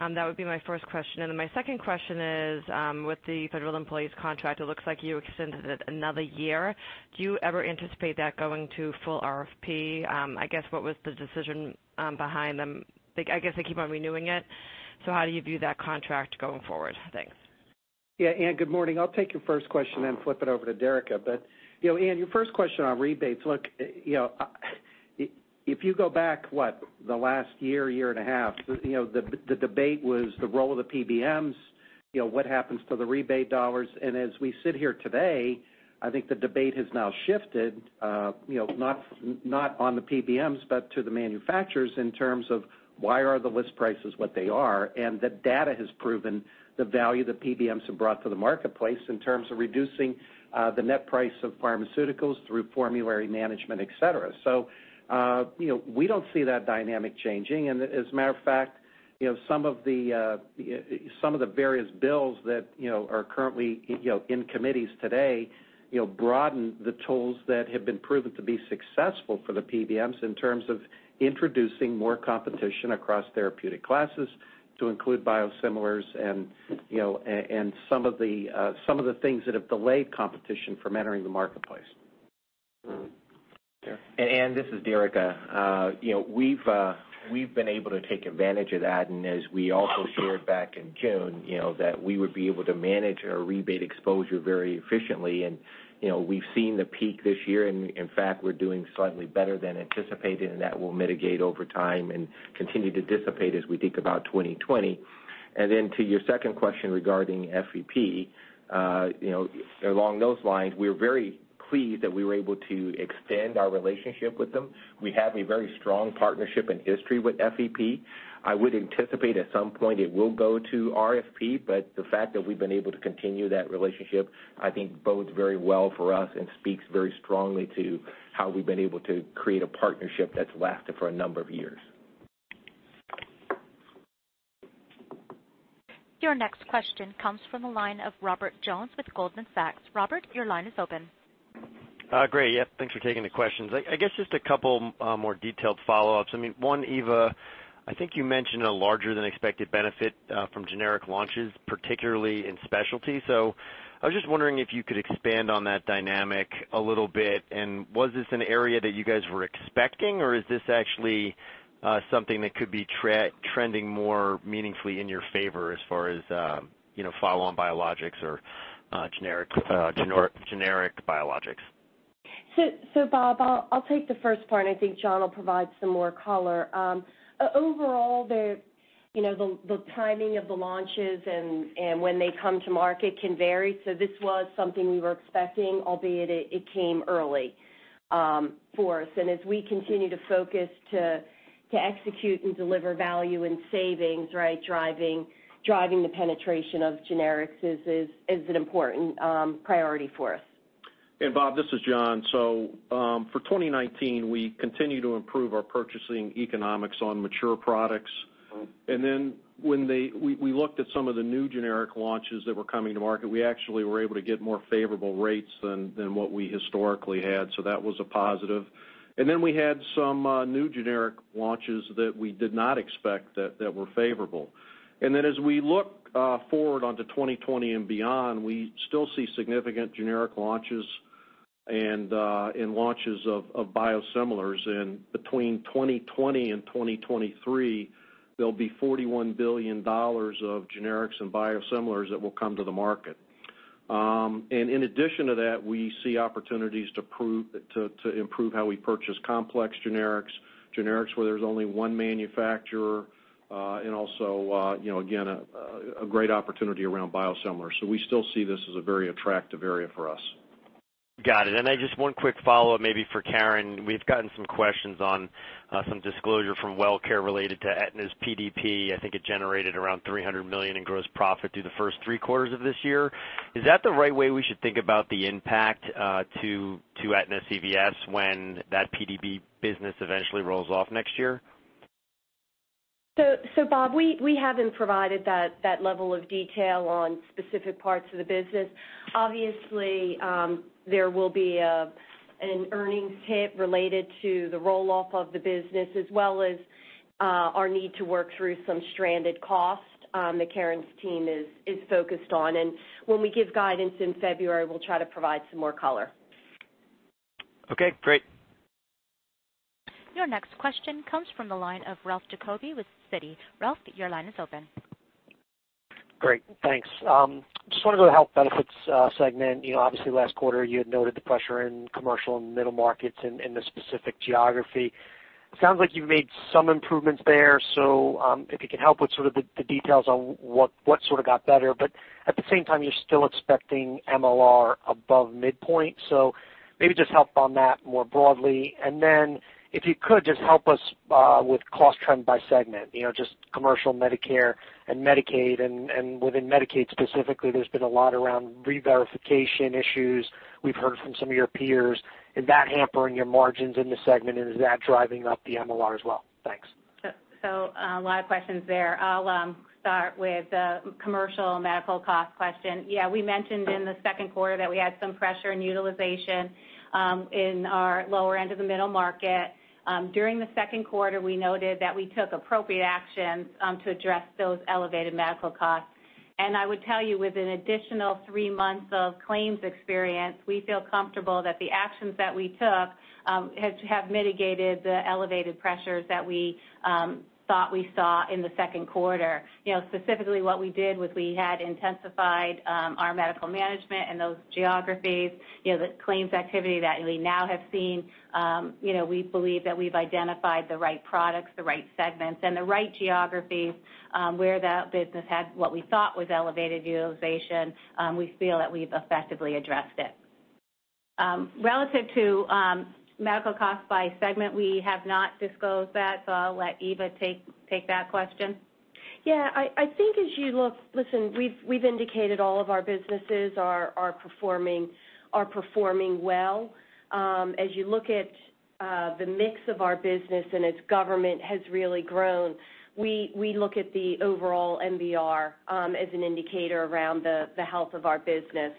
That would be my first question. My second question is, with the Federal Employees contract, it looks like you extended it another year. Do you ever anticipate that going to full RFP? I guess what was the decision behind them? I guess they keep on renewing it. How do you view that contract going forward? Thanks. Yeah, Ann, good morning. I'll take your first question and flip it over to Derica. Ann, your first question on rebates, look, if you go back, what, the last year and a half, the debate was the role of the PBMs, what happens to the rebate dollars. As we sit here today, I think the debate has now shifted, not on the PBMs, but to the manufacturers in terms of why are the list prices what they are, and the data has proven the value the PBMs have brought to the marketplace in terms of reducing the net price of pharmaceuticals through formulary management, et cetera. We don't see that dynamic changing. As a matter of fact Some of the various bills that are currently in committees today broaden the tools that have been proven to be successful for the PBMs in terms of introducing more competition across therapeutic classes to include biosimilars and some of the things that have delayed competition from entering the marketplace. This is Derica. We've been able to take advantage of that, and as we also shared back in June, that we would be able to manage our rebate exposure very efficiently. We've seen the peak this year, and in fact, we're doing slightly better than anticipated, and that will mitigate over time and continue to dissipate as we think about 2020. To your second question regarding FEP, along those lines, we're very pleased that we were able to extend our relationship with them. We have a very strong partnership and history with FEP. I would anticipate at some point it will go to RFP, but the fact that we've been able to continue that relationship, I think bodes very well for us and speaks very strongly to how we've been able to create a partnership that's lasted for a number of years. Your next question comes from the line of Robert Jones with Goldman Sachs. Robert, your line is open. Great. Yeah, thanks for taking the questions. I guess just a couple more detailed follow-ups. One, Eva, I think you mentioned a larger than expected benefit from generic launches, particularly in specialty. I was just wondering if you could expand on that dynamic a little bit, and was this an area that you guys were expecting, or is this actually something that could be trending more meaningfully in your favor as far as follow-on biologics or generic biologics? Rober, I'll take the first part, and I think Jon will provide some more color. Overall, the timing of the launches and when they come to market can vary. This was something we were expecting, albeit it came early for us. As we continue to focus to execute and deliver value and savings, right, driving the penetration of generics is an important priority for us. Robert, this is Jon. For 2019, we continue to improve our purchasing economics on mature products. When we looked at some of the new generic launches that were coming to market, we actually were able to get more favorable rates than what we historically had, so that was a positive. We had some new generic launches that we did not expect that were favorable. As we look forward onto 2020 and beyond, we still see significant generic launches and launches of biosimilars. Between 2020 and 2023, there'll be $41 billion of generics and biosimilars that will come to the market. In addition to that, we see opportunities to improve how we purchase complex generics where there's only one manufacturer, and also again, a great opportunity around biosimilars. We still see this as a very attractive area for us. Got it. Just one quick follow-up, maybe for Karen. We've gotten some questions on some disclosure from Wellcare related to Aetna's PDP. I think it generated around $300 million in gross profit through the first three quarters of this year. Is that the right way we should think about the impact to Aetna CVS when that PDP business eventually rolls off next year? Robert, we haven't provided that level of detail on specific parts of the business. Obviously, there will be an earnings hit related to the roll-off of the business, as well as our need to work through some stranded costs that Karen's team is focused on. When we give guidance in February, we'll try to provide some more color. Okay, great. Your next question comes from the line of Ralph Giacobbe with Citi. Ralph, your line is open. Great. Thanks. Want to go to the Health Benefits segment. Obviously, last quarter, you had noted the pressure in Commercial and middle markets in the specific geography. Sounds like you've made some improvements there, if you could help with the details on what got better. At the same time, you're still expecting MLR above midpoint, maybe help on that more broadly. If you could, help us with cost trend by segment, Commercial, Medicare, and Medicaid. Within Medicaid specifically, there's been a lot around re-verification issues. We've heard from some of your peers. Is that hampering your margins in the segment, and is that driving up the MLR as well? Thanks. A lot of questions there. I'll start with the commercial medical cost question. Yeah, we mentioned in the second quarter that we had some pressure in utilization in our lower end of the middle market. During the second quarter, we noted that we took appropriate actions to address those elevated medical costs. I would tell you, with an additional three months of claims experience, we feel comfortable that the actions that we took have mitigated the elevated pressures that we thought we saw in the second quarter. Specifically what we did was we had intensified our medical management in those geographies, the claims activity that we now have seen. We believe that we've identified the right products, the right segments, and the right geographies where that business had what we thought was elevated utilization. We feel that we've effectively addressed it. Relative to medical costs by segment, we have not disclosed that, so I'll let Eva take that question. Yeah. I think as you look Listen, we've indicated all of our businesses are performing well. As you look at the mix of our business and as government has really grown, we look at the overall MBR as an indicator around the health of our business.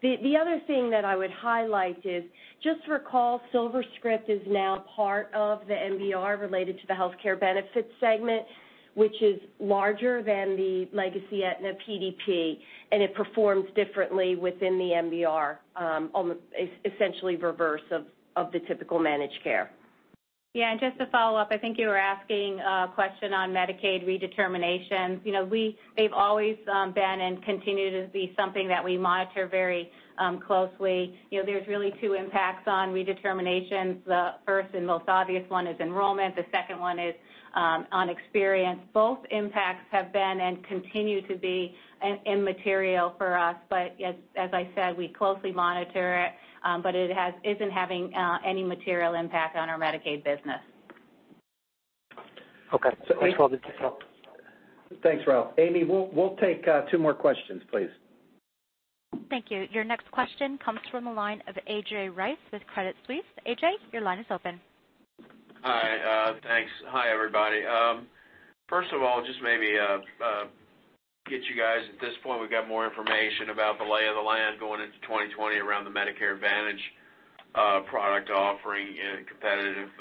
The other thing that I would highlight is just recall, SilverScript is now part of the MBR related to the healthcare benefit segment, which is larger than the legacy Aetna PDP, and it performs differently within the MBR, essentially reverse of the typical managed care. Yeah. Just to follow up, I think you were asking a question on Medicaid redeterminations. They've always been and continue to be something that we monitor very closely. There's really two impacts on redeterminations. The first and most obvious one is enrollment. The second one is on experience. Both impacts have been and continue to be immaterial for us. As I said, we closely monitor it, but it isn't having any material impact on our Medicaid business. Okay. Thanks for the detail. Thanks, Ralph. Amy, we'll take two more questions, please. Thank you. Your next question comes from the line of A.J. Rice with Credit Suisse. A.J., your line is open. Hi, thanks. Hi, everybody. First of all, just maybe get you guys at this point, we've got more information about the lay of the land going into 2020 around the Medicare Advantage product offering and competitive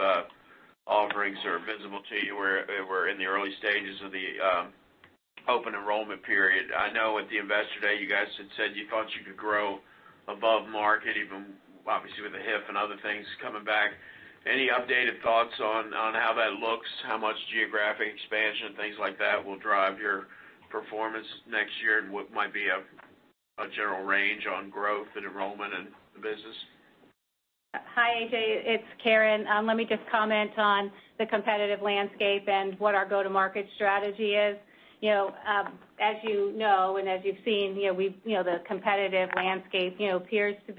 offerings that are visible to you. We're in the early stages of the open enrollment period. I know at the Investor Day, you guys had said you thought you could grow above market, even obviously with the HIF and other things coming back. Any updated thoughts on how that looks, how much geographic expansion, things like that will drive your performance next year, and what might be a general range on growth and enrollment in the business? Hi, A.J., it's Karen. Let me just comment on the competitive landscape and what our go-to-market strategy is. As you know and as you've seen, the competitive landscape appears to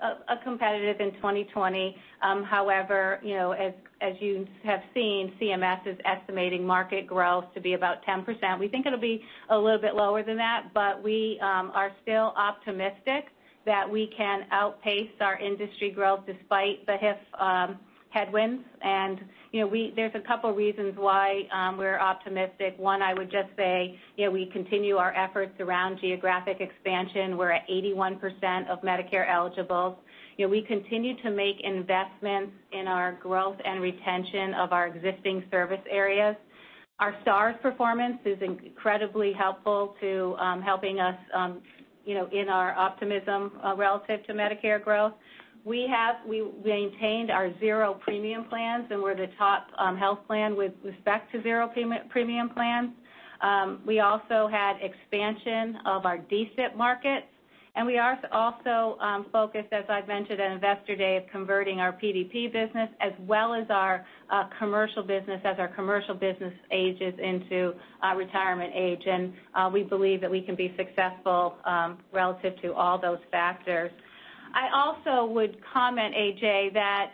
be competitive in 2020. However, as you have seen, CMS is estimating market growth to be about 10%. We think it'll be a little bit lower than that, but we are still optimistic that we can outpace our industry growth despite the HIF headwinds. There's a couple reasons why we're optimistic. One, I would just say, we continue our efforts around geographic expansion. We're at 81% of Medicare eligible. We continue to make investments in our growth and retention of our existing service areas. Our stars performance is incredibly helpful to helping us in our optimism relative to Medicare growth. We maintained our zero premium plans, and we're the top health plan with respect to zero premium plans. We also had expansion of our D-SNP market. We are also focused, as I've mentioned at Investor Day, of converting our PDP business as well as our commercial business as our commercial business ages into retirement age. We believe that we can be successful relative to all those factors. I also would comment, A.J., that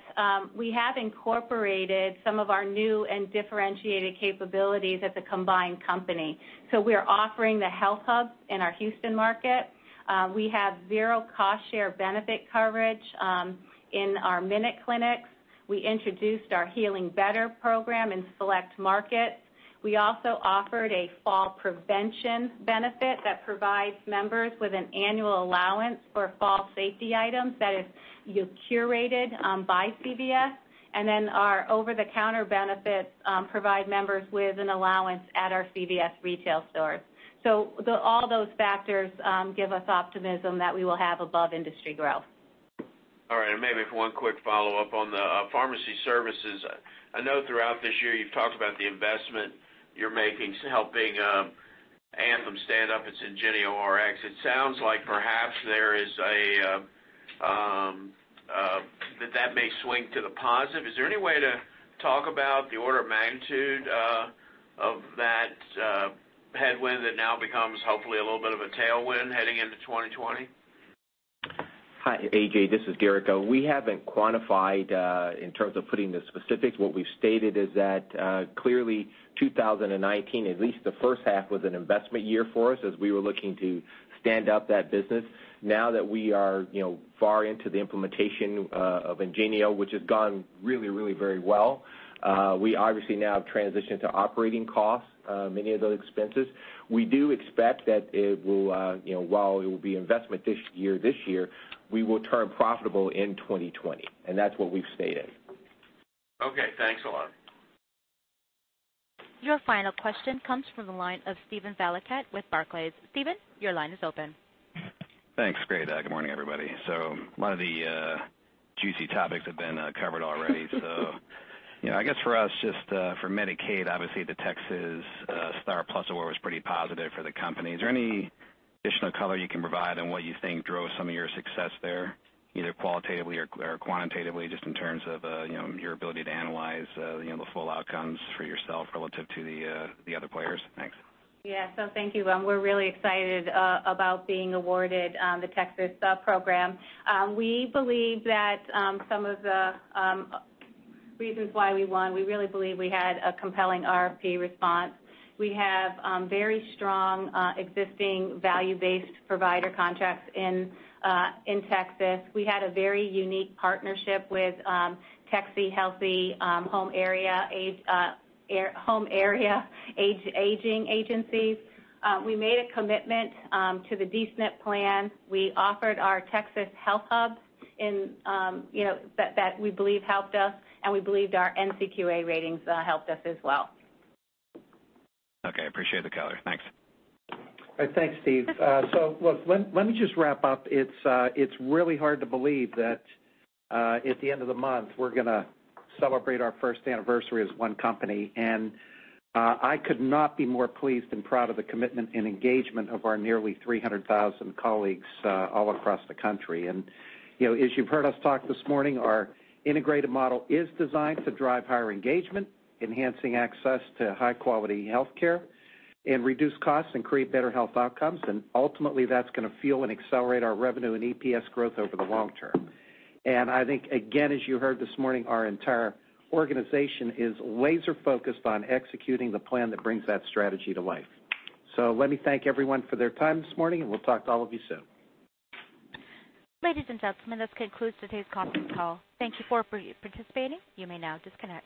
we have incorporated some of our new and differentiated capabilities as a combined company. We are offering the HealthHUB in our Houston market. We have zero cost share benefit coverage in our MinuteClinics. We introduced our Healing Better program in select markets. We also offered a fall prevention benefit that provides members with an annual allowance for fall safety items that is curated by CVS. Our over-the-counter benefits provide members with an allowance at our CVS retail stores. All those factors give us optimism that we will have above-industry growth. All right. Maybe for one quick follow-up on the pharmacy services. I know throughout this year you've talked about the investment you're making to helping Anthem stand up its IngenioRx. It sounds like perhaps that may swing to the positive. Is there any way to talk about the order of magnitude of that headwind that now becomes hopefully a little bit of a tailwind heading into 2020? Hi, A.J., this is Derica. We haven't quantified in terms of putting the specifics. What we've stated is that clearly 2019, at least the first half, was an investment year for us as we were looking to stand up that business. Now that we are far into the implementation of IngenioRx, which has gone really very well, we obviously now have transitioned to operating costs, many of those expenses. We do expect that while it will be an investment this year, we will turn profitable in 2020. That's what we've stated. Okay, thanks a lot. Your final question comes from the line of Steven Valiquette with Barclays. Steven, your line is open. Thanks. Great. Good morning, everybody. A lot of the juicy topics have been covered already. I guess for us, just for Medicaid, obviously the Texas STAR+PLUS award was pretty positive for the company. Is there any additional color you can provide on what you think drove some of your success there, either qualitatively or quantitatively, just in terms of your ability to analyze the full outcomes for yourself relative to the other players? Thanks. Yeah. Thank you. We're really excited about being awarded the Texas program. We believe that some of the reasons why we won, we really believe we had a compelling RFP response. We have very strong existing value-based provider contracts in Texas. We had a very unique partnership with Texas Health and Human Services Area Agencies on Aging. We made a commitment to the D-SNP plan. We offered our Texas Health Hub that we believe helped us, and we believed our NCQA ratings helped us as well. Okay. Appreciate the color. Thanks. All right. Thanks, Steven. Look, let me just wrap up. It's really hard to believe that at the end of the month, we're going to celebrate our first anniversary as one company. I could not be more pleased and proud of the commitment and engagement of our nearly 300,000 colleagues all across the country. As you've heard us talk this morning, our integrated model is designed to drive higher engagement, enhancing access to high-quality healthcare and reduce costs and create better health outcomes. Ultimately, that's going to fuel and accelerate our revenue and EPS growth over the long term. I think, again, as you heard this morning, our entire organization is laser-focused on executing the plan that brings that strategy to life. Let me thank everyone for their time this morning, and we'll talk to all of you soon. Ladies and gentlemen, this concludes today's conference call. Thank you for participating. You may now disconnect.